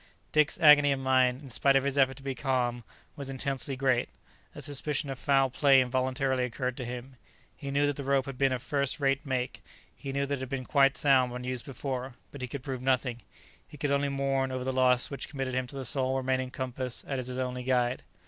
Dick's agony of mind, in spite of his effort to be calm, was intensely great. A suspicion of foul play involuntarily occurred to him. He knew that the rope had been of first rate make; he knew that it had been quite sound when used before; but he could prove nothing; he could only mourn over the loss which committed him to the sole remaining compass as his only guide.